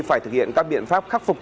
phải thực hiện các biện pháp khắc phục